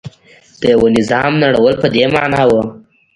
د یوه نظام نړول په دې معنا و.